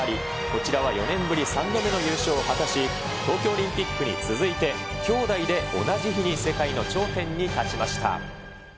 こちらは４年ぶり３度目の優勝を果たし、東京オリンピックに続いて、兄妹で同じ日に世界の頂点に立ちました。